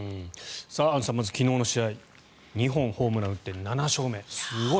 アンジュさん、まず昨日の試合２本ホームランを打って７勝目、すごい。